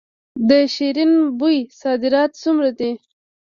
د شیرین بویې صادرات څومره دي؟